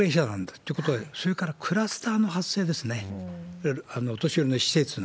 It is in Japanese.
ということは、それからクラスターの発生ですね、いわゆるお年寄りの施設の。